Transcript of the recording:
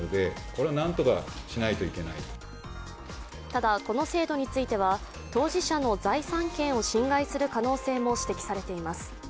ただ、この制度については当事者の財産権を侵害する可能性も指摘されています。